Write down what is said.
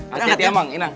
hati hati ya bang